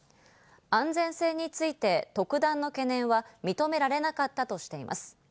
安全性について特段の懸念は認められなかったとしています。